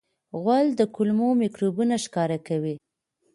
غول د کولمو میکروبونه ښکاره کوي.